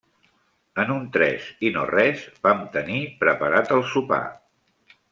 En un tres i no res vam tenir preparat el sopar.